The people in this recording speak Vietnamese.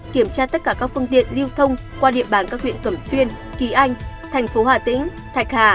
kiểm tra tất cả các phương tiện lưu thông qua địa bàn các huyện cẩm xuyên kỳ anh thành phố hà tĩnh thạch hà